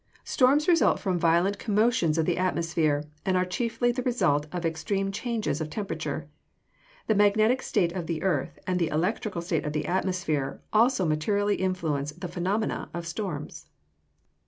_ Storms result from violent commotions of the atmosphere, and are chiefly the result of extreme changes of temperature. The magnetic state of the earth, and the electrical state of the atmosphere, also materially influence the phenomena of storms.